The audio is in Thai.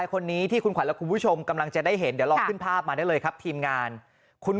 คุณผู้ชมกำลังจะได้เห็นเดี๋ยวลองขึ้นภาพมาได้เลยครับทีมงาน